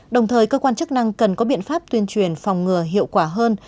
đồng thời cơ quan chức năng cần có biện pháp tuyên truyền phòng ngừa hiệu quả hơn